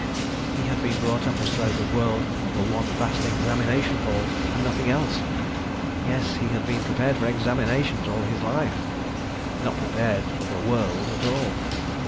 He had been brought up as though the World were one vast Examination Hall, and nothing else. Yes—he had been prepared for examinations all his life, not prepared for the World at all.